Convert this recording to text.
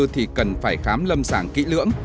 thì cần phải khám lâm sản kỹ lưỡng